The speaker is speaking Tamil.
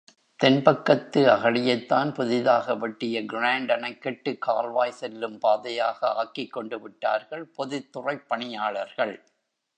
தென்பக்கத்து அகழியைத்தான் புதிதாக வெட்டிய கிராண்ட் அணைக்கட்டு கால்வாய் செல்லும் பாதையாக ஆக்கிக் கொண்டு விட்டார்கள் பொதுத்துறைப் பணியாளர்கள்.